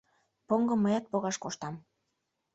— Поҥгым мыят погаш коштам.